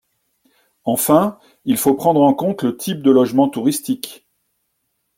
Enfin, il faut prendre en compte le type de logement touristique.